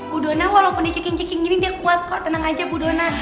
budona walaupun diceking ceking gini dia kuat kok tenang aja budona